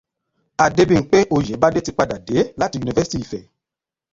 Adébímpé Oyèbádé ti padà dé láti yunifásítì Ifẹ̀